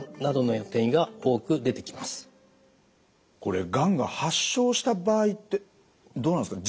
これがんが発症した場合ってどうなんですか？